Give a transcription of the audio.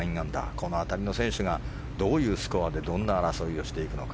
この辺りの選手がどういうスコアでどんな争いをしていくのか。